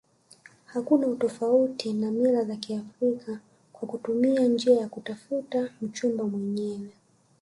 Hakuna utofauti na mila za kiafrika kwa kutumia njia ya kutafuta mchumba mwenyewe